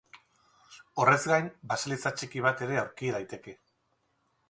Horrez gain, baseliza txiki bat ere aurki daiteke.